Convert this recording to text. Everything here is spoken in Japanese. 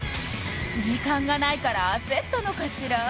時間がないから焦ったのかしら